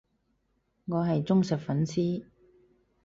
我係忠實粉絲